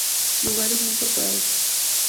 Lugares no incorporados